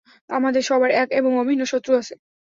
আমাদের সবার এক এবং অভিন্ন শত্রু আছে।